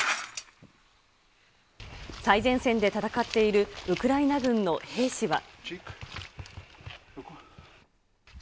最前線で戦っているウクライナ軍の兵士は。